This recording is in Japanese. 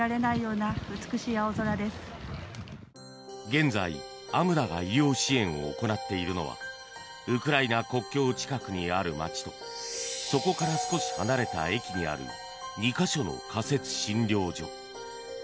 現在、ＡＭＤＡが医療支援を行っているのはウクライナ国境近くにある街とそこから少し離れた駅にある２か所の仮設診療所。